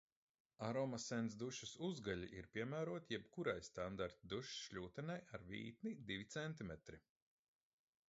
Aroma Sense dušas uzgaļi ir piemēroti jebkurai standarta dušas šļūtenei ar vītni divi centimetri